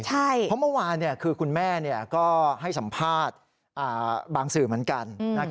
เพราะเมื่อวานคือคุณแม่ก็ให้สัมภาษณ์บางสื่อเหมือนกัน